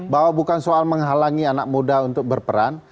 bahwa bukan soal menghalangi anak muda untuk berperan